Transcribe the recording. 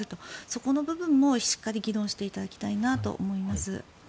そこの部分もしっかり議論していただきたいなと思います。